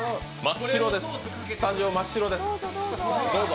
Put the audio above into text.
スタジオ、真っ白です、どうぞ。